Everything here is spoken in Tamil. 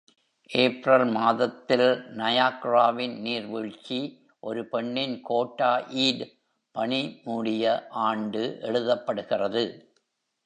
ஏப்ரல் மாதத்தில் நயாக்ராவின் நீர்வீழ்ச்சி, ஒரு பெண்ணின் கோட்டா ஈட், பனி மூடிய ஆண்டு எழுதப்படுகிறது.